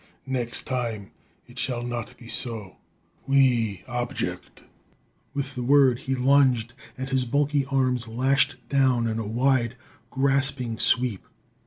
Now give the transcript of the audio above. Next time, it shall not be so. We object!" With the word, he lunged, and his bulky arms lashed down in a wide, grasping sweep.